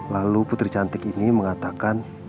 lalu putri cantik ini mengatakan